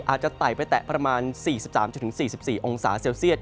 อาจจะไตไปแตะประมาณ๔๓๔๔องศาเซลเซียส